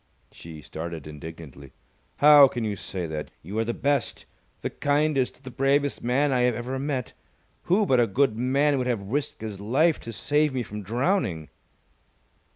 She started indignantly. "How can you say that? You are the best, the kindest, the bravest man I have ever met! Who but a good man would have risked his life to save me from drowning?"